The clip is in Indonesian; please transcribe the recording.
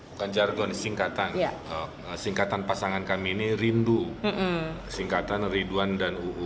bukan jargon singkatan singkatan pasangan kami ini rindu singkatan ridwan dan uu